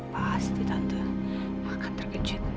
pasti tante akan terkejut